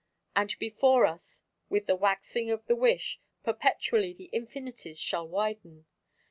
And before us, with the waxing of the wish, perpetually the Infinities shall widen.